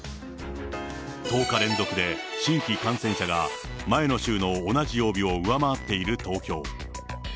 １０日連続で新規感染者が前の週の同じ曜日を上回っている東京。